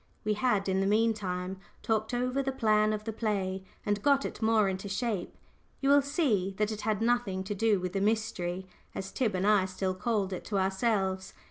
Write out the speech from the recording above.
We had, in the meantime, talked over the plan of the play, and got it more into shape. You will see that it had nothing to do with the "mystery," as Tib and I still called it to ourselves.